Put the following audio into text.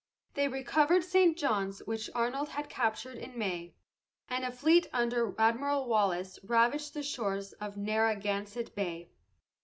They recovered St. John's, which Arnold had captured in May, and a fleet under Admiral Wallace ravaged the shores of Narragansett Bay.